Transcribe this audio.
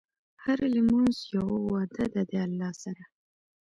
هره لمونځ یوه وعده ده د الله سره.